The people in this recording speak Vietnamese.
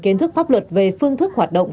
kiến thức pháp luật về phương thức hoạt động